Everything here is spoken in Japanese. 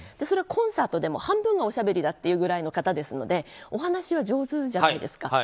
それはコンサートでも半分がおしゃべりだというぐらいの方ですのでお話は上手じゃないですか。